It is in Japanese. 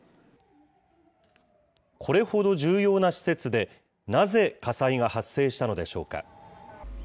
これほど重要な施設で、なぜ火災が発生したのでしょうか。